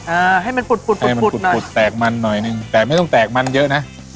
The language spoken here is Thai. อ่าให้มันปุดปุดปุดแตกมันหน่อยหนึ่งแต่ไม่ต้องแตกมันเยอะนะ